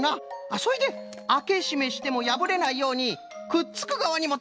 それであけしめしてもやぶれないようにくっつくがわにもテープはったんじゃね！